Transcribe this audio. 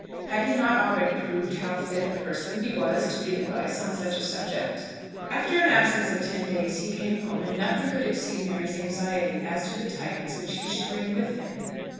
Had he not already proved how fit a person he was to give advice on such a subject? After an absence of ten days he came home, and nothing could exceed Mary's anxiety as to the tidings which he should bring with him.